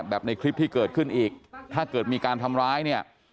ในคลิปที่เกิดขึ้นอีกถ้าเกิดมีการทำร้ายเนี่ย